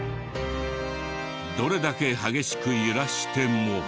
どれだけ激しく揺らしても。